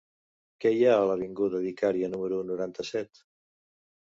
Què hi ha a l'avinguda d'Icària número noranta-set?